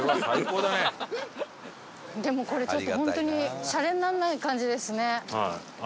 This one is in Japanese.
でもこれちょっと本当にシャレにならない感じですね。